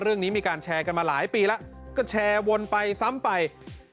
มีการแชร์กันมาหลายปีแล้วก็แชร์วนไปซ้ำไป